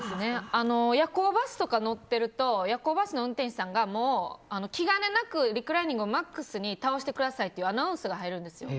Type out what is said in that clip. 夜行バスとかに乗ってると夜行バスの運転手さんがもう、気兼ねなくリクライニングをマックスに倒してくださいっていうアナウンスが入るんですよ。